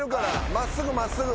真っすぐ真っすぐ。